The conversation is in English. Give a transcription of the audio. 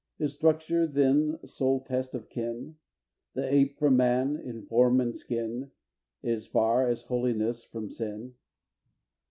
Is structure then sole test of kin? The ape from man, in form and skin, Is far as holiness from sin!